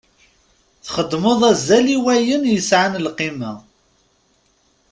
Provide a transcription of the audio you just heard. Txeddmeḍ azal i wayen yesɛan lqima.